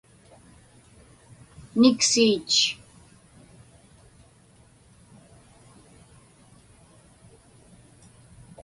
niksiich